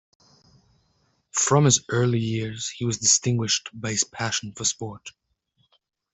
From his early years he was distinguished by his passion for sport.